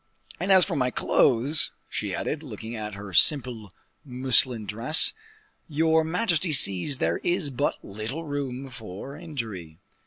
And, as for my clothes," she added, looking at her simple muslin dress, "your majesty sees there is but little room for injury."